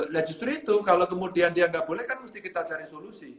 nah justru itu kalau kemudian dia nggak boleh kan mesti kita cari solusi